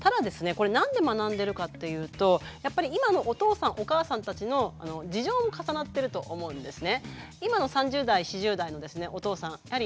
これ何で学んでるかっていうとやっぱり今のお父さんお母さんたちの事情も重なってると思うんですね。